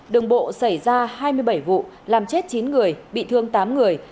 đường bộ xảy ra hai mươi bảy vụ làm chết chín người bị thương tám người